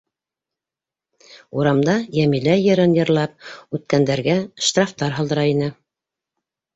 Урамда «Йәмилә йыры»н йырлап үткәндәргә штрафтар һалдыра ине.